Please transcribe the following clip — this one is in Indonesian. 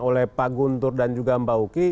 oleh pak guntur dan juga mbak uki